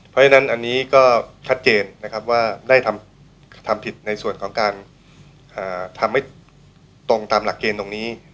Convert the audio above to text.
เพราะฉะนั้นอันนี้ก็ชัดเจนนะครับว่าได้ทำผิดในส่วนของการทำให้ตรงตามหลักเกณฑ์ตรงนี้